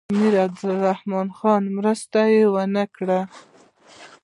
امیر عبدالرحمن خان مرستې ونه کړې.